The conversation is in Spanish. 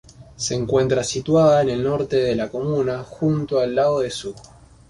Se encuentra situada en el norte de la comuna, junto al lago de Zug.